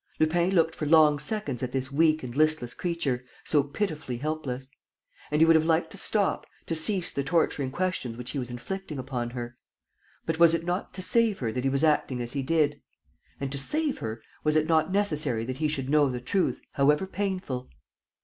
Lupin looked for long seconds at this weak and listless creature, so pitifully helpless. And he would have liked to stop, to cease the torturing questions which he was inflicting upon her. But was it not to save her that he was acting as he did? And, to save her, was it not necessary that he should know the truth, however painful?